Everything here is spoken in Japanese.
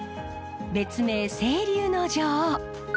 別名清流の女王。